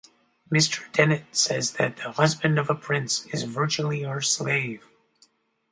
Mr. Dennett says that the husband of a prince is virtually her slave.